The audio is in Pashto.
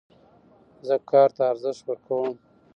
زه کار ته ارزښت ورکوم.